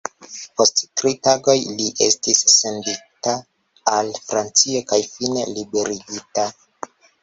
Post tri tagoj li estis sendita al Francio kaj fine liberigita.